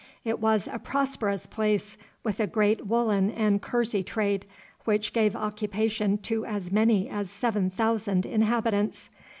It was a prosperous place, with a great woollen and kersey trade, which gave occupation to as many as seven thousand inhabitants.